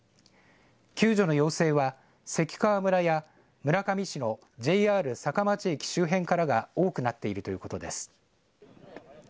救助の要請は関川村や村上市のＪＲ坂町駅周辺からが多くなっているということです。